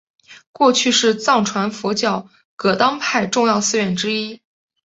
过去是藏传佛教噶当派重要寺院之一。